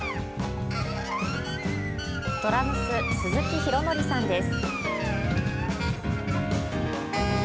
ドラムス、鈴木宏紀さんです。